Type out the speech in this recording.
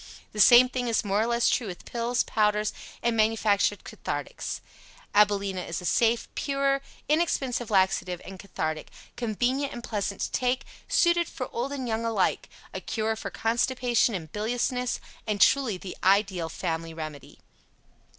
The same thing is more or less true with pills, powders and the manufactured cathartics. AbilenA is a safe, sure, inexpensive laxative and cathartic, convenient and pleasant to take, suited for old and young alike, a cure for constipation and biliousness, and truly the ideal family remedy.